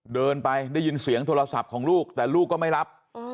เดินไปได้ยินเสียงโทรศัพท์ของลูกแต่ลูกก็ไม่รับ